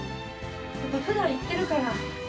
やっぱりふだん行ってるから。